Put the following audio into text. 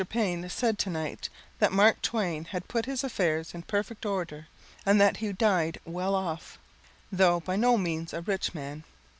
Paine said to night that Mark Twain had put his affairs in perfect order and that he died well off, though by no means a rich man.